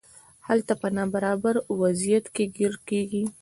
هلته په نابرابر وضعیت کې ګیر کیږي.